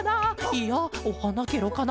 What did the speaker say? いやおはなケロかな？